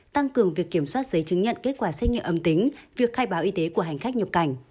tăng cường việc kiểm soát giấy chứng nhận kết quả xét nghiệm âm tính việc khai báo y tế của hành khách nhập cảnh